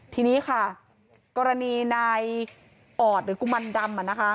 ทีนี้ค่ะกรณีนายออดหรือกุมันดำ